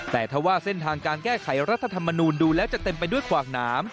แต่ถ้าว่าเส้นทางการแก้ไขรัฐธรรมนูลดูแล้วจะเต็มไปด้วยขวากหนาม